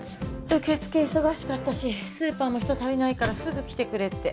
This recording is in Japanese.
受付忙しかったしスーパーも人足りないからすぐ来てくれって。